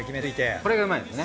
これがうまいんですね。